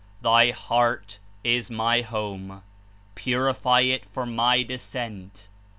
Thy heart is my Home: purify it for my Descent.